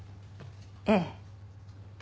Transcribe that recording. ええ。